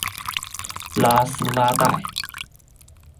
拉斯拉代。